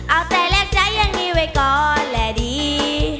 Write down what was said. เอาแต่แหลกใจยังมีไว้ก่อนและดี